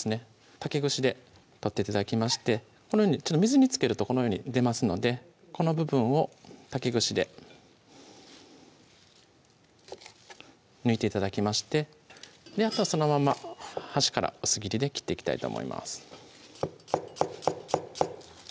竹串で取って頂きましてこのように水につけるとこのように出ますのでこの部分を竹串で抜いて頂きましてあとそのまま端から薄切りで切っていきたいと思います